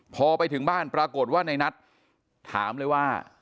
พอไปถึงบ้านปรากฏว่าในนัทถามเลยว่า